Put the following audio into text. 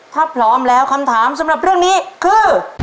ถ้าพร้อมแล้วคำถามสำหรับเรื่องนี้คือ